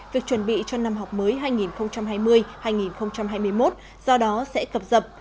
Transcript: việc chuẩn bị cho năm học mới hai nghìn hai mươi hai nghìn hai mươi một do đó sẽ cập dập